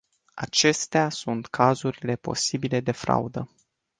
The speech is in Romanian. Acestea sunt cazurile posibile de fraudă.